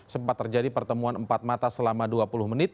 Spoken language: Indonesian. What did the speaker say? sempat terjadi pertemuan empat mata selama dua puluh menit